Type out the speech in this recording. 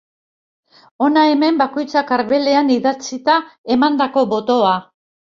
Hona hemen bakoitzak arbelean idatzita emandako botoa.